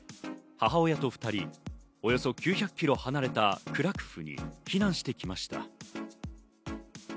母親と２人、およそ９００キロ離れたクラクフに避難してきました。